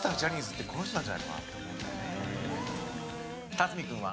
辰巳君は？